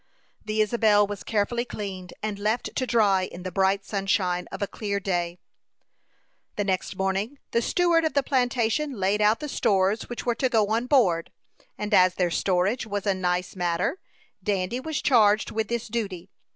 The Isabel was carefully cleaned, and left to dry in the bright sunshine of a clear day. The next morning, the steward of the plantation laid out the stores which were to go on board; and as their storage was a nice matter, Dandy was charged with this duty.